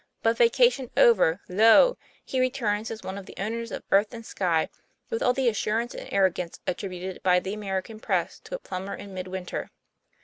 But, vacation over, lo! he returns as one of the owners of earth and sky with al) the as surance and arrogance attributed by the American press to a plumber in mid winter.